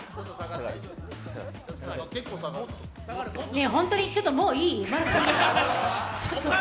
ねえホントに、ちょっともういい？